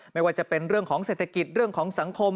ไม่ว่าจะเป็นเรื่องของเศรษฐกิจเรื่องของสังคม